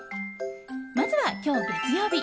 まずは今日、月曜日。